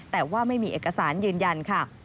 แต่ว่าไม่มีเอกสารเยือน